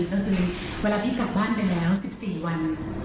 ก็คือเวลาพี่กลับบ้านไปแล้ว๑๔วัน